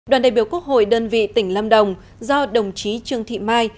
đoàn đại biểu quốc hội đơn vị tỉnh lâm đồng do đồng chí trương thị mai